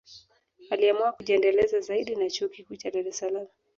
Aliamua kujiendeleza zaidi na chuo Kikuu cha Dar es Salaam